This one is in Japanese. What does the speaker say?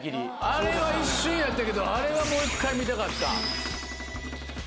あれは一瞬やったけどあれはもう一回見たかった。